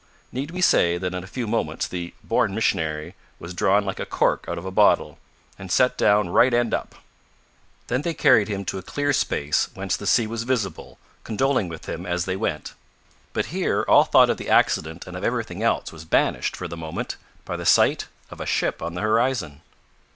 Need we say that in a few moments the "born mis'nary" was drawn like a cork out of a bottle, and set down right end up? Then they carried him to a clear space, whence the sea was visible, condoling with him as they went; but here all thought of the accident and of everything else was banished, for the moment by the sight of a ship on the horizon!